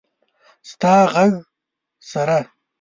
ستا د ږغ سره…